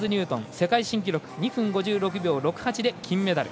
世界新記録２分５６秒６８で金メダル。